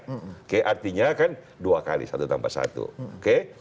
oke artinya kan dua kali satu tambah satu oke